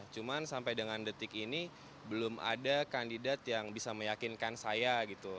cuman sampai dengan detik ini belum ada kandidat yang bisa meyakinkan saya gitu